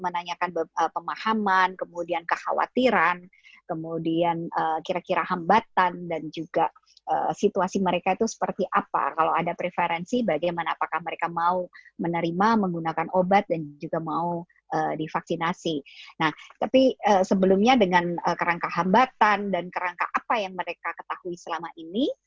nah tapi sebelumnya dengan kerangka hambatan dan kerangka apa yang mereka ketahui selama ini